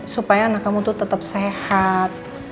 supaya anak kamu tuh tetep sehat